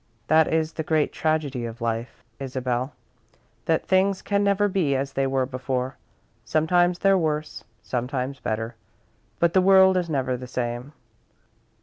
"That is the great tragedy of life, Isabel that things can never be as they were before. Sometimes they're worse, sometimes better, but the world is never the same."